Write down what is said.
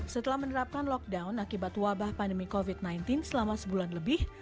setelah menerapkan lockdown akibat wabah pandemi covid sembilan belas selama sebulan lebih